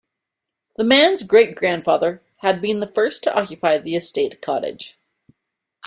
The man's great-grandfather had been the first to occupy the estate cottage.